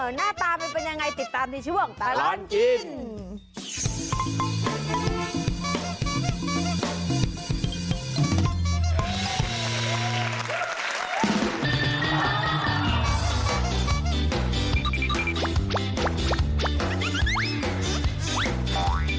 หน้าตามันเป็นยังไงติดตามในช่วงตลอดกิน